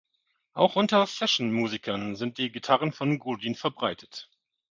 Auch unter Sessionmusikern sind die Gitarren von Godin verbreitet.